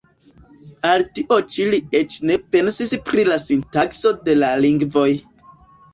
Al tio ĉi li eĉ ne pensis pri la sintakso de la lingvoj.